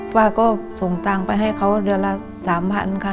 ป้าก็ส่งตังค์ไปให้เขาเดือนละ๓๐๐๐ค่ะ